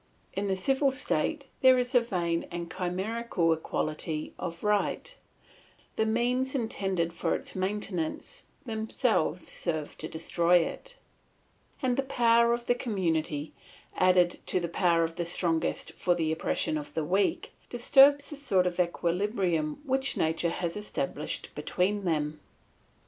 In the civil state there is a vain and chimerical equality of right; the means intended for its maintenance, themselves serve to destroy it; and the power of the community, added to the power of the strongest for the oppression of the weak, disturbs the sort of equilibrium which nature has established between them.